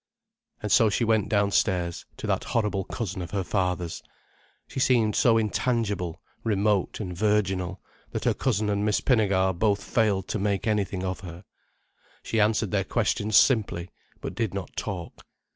And so she went downstairs, to that horrible cousin of her father's. She seemed so intangible, remote and virginal, that her cousin and Miss Pinnegar both failed to make anything of her. She answered their questions simply, but did not talk.